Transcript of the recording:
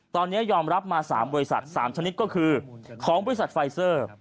ตอนเนี้ยยอมรับมาสามบริษัทสามชนิดก็คือของบริษัทไฟเซอร์ครับ